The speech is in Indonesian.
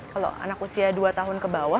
kalau anak usia dua tahun ke bawah